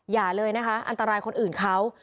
อย่าเลยนะคะอันตรายคนอื่นเขา